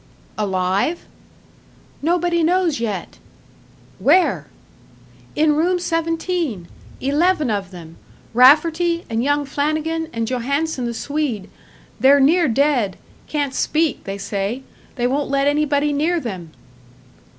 "Alive?" "Nobody knows yet." "Where?" "In Room Seventeen. Eleven of them Rafferty, and young Flanagan, and Johannson, the Swede. They're near dead can't speak, they say. They won't let anybody near them."